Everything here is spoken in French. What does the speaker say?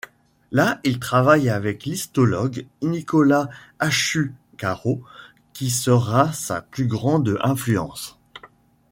Là, il travaille avec l'histologue Nicolás Achúcarro, qui sera sa plus grande influence.